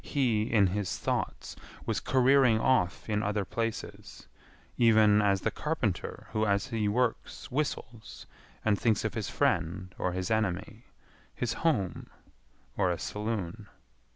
He, in his thoughts, was careering off in other places, even as the carpenter who as he works whistles and thinks of his friend or his enemy, his home or a saloon.